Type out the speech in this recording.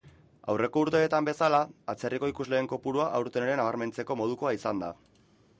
Aurreko urteetan bezala, atzerriko ikusleen kopurua aurten ere nabarmentzeko modukoa izan da.